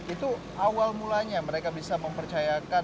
itu awal mulanya mereka bisa mempercayakan